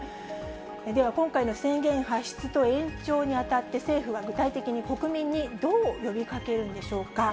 では、今回の宣言発出と延長にあたって、政府は具体的に国民に、どう呼びかけるんでしょうか。